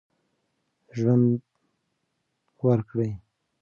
ژوند ورکړئ.